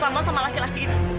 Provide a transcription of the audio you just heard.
dia kerja sama sama laki laki itu